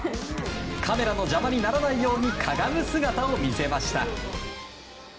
カメラの邪魔にならないようにかがむ姿を見せました。